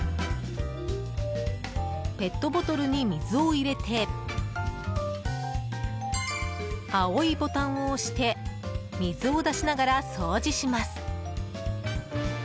ペットボトルに水を入れて青いボタンを押して水を出しながら掃除します。